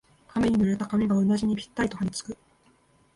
雨に濡れた髪がうなじにぴったりとはりつく